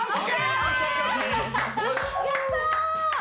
やったー！